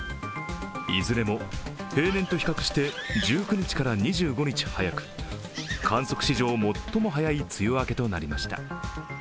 いずれも平年と比較して１９日から２５日早く、観測史上最も早い梅雨明けとなりました。